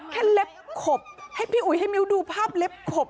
เล็บขบให้พี่อุ๋ยให้มิ้วดูภาพเล็บขบ